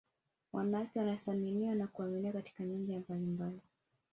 wanawake wanasaminiwa na kuaminiwa katika nyanja mbalimbali